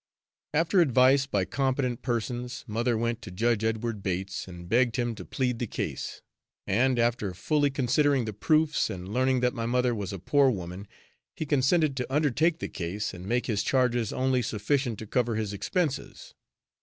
After advice by competent persons, mother went to Judge Edward Bates and begged him to plead the case, and, after fully considering the proofs and learning that my mother was a poor woman, he consented to undertake the case and make his charges only sufficient to cover his expenses.